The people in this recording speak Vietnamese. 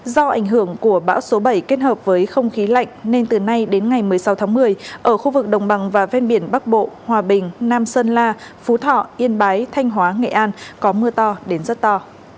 do ảnh hưởng của bão số bảy kết hợp với không khí lạnh nên từ nay đến ngày một mươi sáu tháng một mươi ở khu vực đồng bằng và ven biển bắc bộ hòa bình nam sơn la phú thọ yên bái thanh hóa nghệ an có mưa to đến rất to